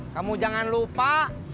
kamu jangan lupa